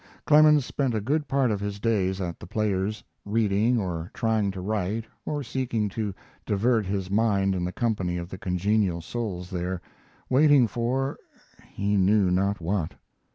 Clemens spent a good part of his days at The Players, reading or trying to write or seeking to divert his mind in the company of the congenial souls there, waiting for he knew not what.